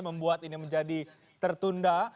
membuat ini menjadi tertunda